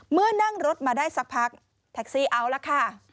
เมื่อนั่งรถมาได้สักพักแท็กซี่เอาแล้วค่ะ